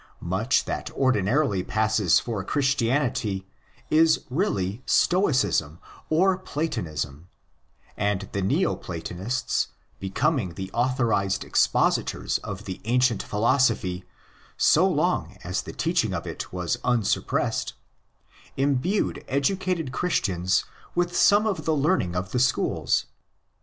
Much that ordinarily passes for Christianity is really Stoicism or Platonism; and the Neo Platonists, becoming the authorised expositors of the ancient philosophy so PHILOSOPHY AGAINST REVEALED RELIGION 59 long as the teaching of it was unsuppressed, imbued educated Christians with some of the learning of the schools.